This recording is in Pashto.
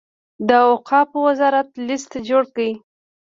د اوقافو وزارت لست جوړ کړي.